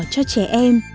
cho trẻ em